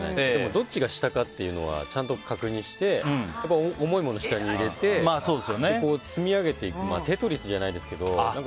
どっちが下かっていうのは１回確認して、重いものを下に入れて積み上げていくテトリスじゃないですけど。